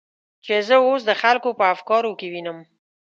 چې زه اوس د خلکو په افکارو کې وینم.